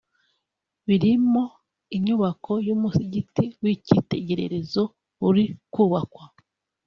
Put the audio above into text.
birimo inyubako y’umusigiti w’icyitegererezo uri kubakwa